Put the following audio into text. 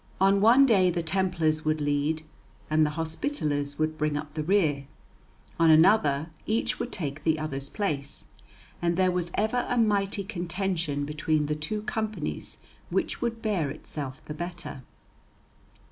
On one day the Templars would lead, and the Hospitallers bring up the rear; on another each would take the other's place; and there was ever a mighty contention between the two companies which would bear itself the better.